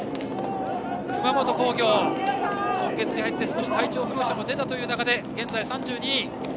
熊本工業は今月に入って少し体調不良者も出たという中で、現在３２位。